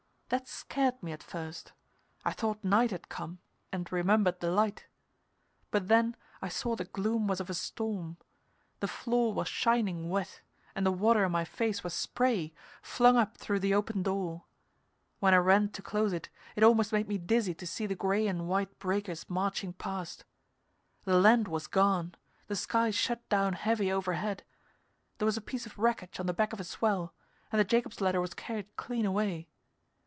That scared me at first; I thought night had come, and remembered the light. But then I saw the gloom was of a storm. The floor was shining wet, and the water in my face was spray, flung up through the open door. When I ran to close it, it almost made me dizzy to see the gray and white breakers marching past. The land was gone; the sky shut down heavy overhead; there was a piece of wreckage on the back of a swell, and the Jacob's ladder was carried clean away.